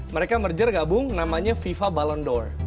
mereka merger gabung namanya fifa ballon d or